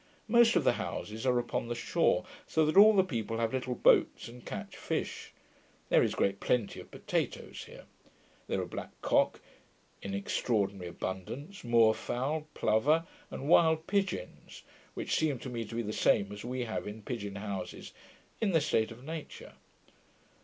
Most of the houses are upon the shore; so that all the people have little boats, and catch fish. There is great plenty of potatoes here. There are black cock in extraordinary abundance, moor fowl, plover and wild pigeons, which seemed to me to be the same as we have in pigeon houses, in their state of nature.